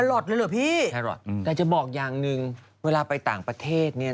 แทรอทเลยเหรอพี่แทรอทแต่จะบอกอย่างนึงเวลาไปต่างประเทศเนี่ยนะ